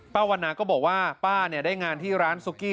วันนาก็บอกว่าป้าได้งานที่ร้านซุกี้